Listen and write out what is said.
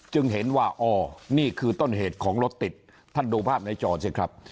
เห็นว่าอ๋อนี่คือต้นเหตุของรถติดท่านดูภาพในจอสิครับ